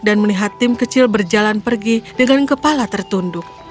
dan melihat tim kecil berjalan pergi dengan kepala tertunduk